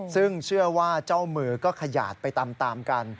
ซึ่งเชื่อว่าเจ้ามือก็ขยาดไปตามกัน